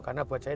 karena buat saya